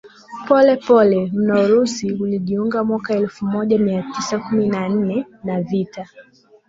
polepole mnoUrusi ulijiunga mwaka elfu moja mia tisa kumi na nne na vita